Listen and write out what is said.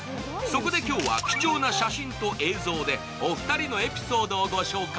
そこで今日は貴重な写真と映像でお二人のエピソードをご紹介。